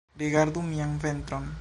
Rigardu mian ventron